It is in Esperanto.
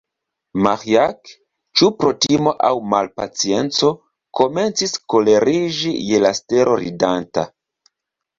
Maĥiac, ĉu pro timo aŭ malpacienco, komencis koleriĝi je la stelo ridanta.